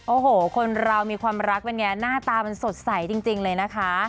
โอ้โหคนเรามีความรักเป็นไงหน้าตามันสดใสจริงเลยนะคะ